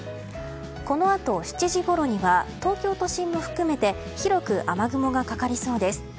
このあと７時ごろには東京都心も含めて広く雨雲がかかりそうです。